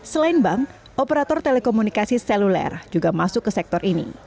selain bank operator telekomunikasi seluler juga masuk ke sektor ini